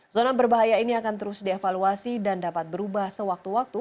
zona berbahaya ini akan terus dievaluasi dan dapat berubah sewaktu waktu